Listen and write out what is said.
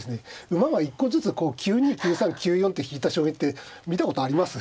馬が１個ずつこう９二９三９四って引いた将棋って見たことあります？